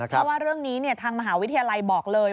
เพราะว่าเรื่องนี้ทางมหาวิทยาลัยบอกเลย